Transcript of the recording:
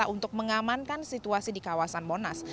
untuk mengamankan situasi di kawasan monas